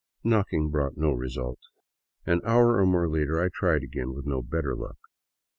..." Knocking brought no result. An hour or more later I tried again, with no better luck.